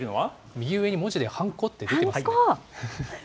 右上に文字でハンコって出てます。